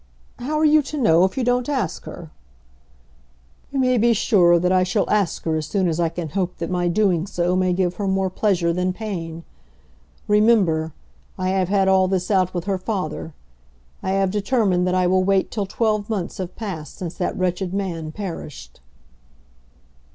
"How are you to know if you don't ask her?" "You may be sure that I shall ask her as soon as I can hope that my doing so may give her more pleasure than pain. Remember, I have had all this out with her father. I have determined that I will wait till twelve months have passed since that wretched man perished."